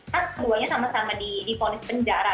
kan keduanya sama sama diponis penjara